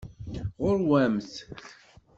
Ɣur-wamt!